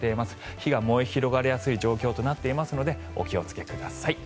火が燃え広がりやすい状況となっていますのでお気をつけください。